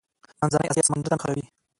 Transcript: منځنۍ اسیا سمندر ته نښلوي.